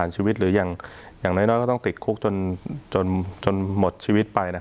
จนหมดชีวิตไป